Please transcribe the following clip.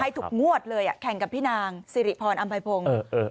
ให้ถูกงวดเลยอ่ะแข่งกับพี่นางสิริพรอำพัยพงศ์เออเออ